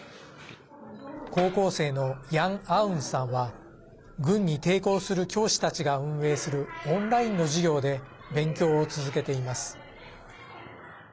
高校生のヤン・アウンさんは軍に抵抗する教師たちが運営するオンラインの授業で勉強を続けています。